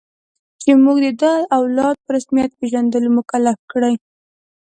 چې موږ د ده او اولاد په رسمیت پېژندلو مکلف کړي.